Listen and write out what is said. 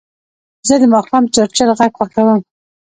زه د ماښام چړچړ غږ خوښوم.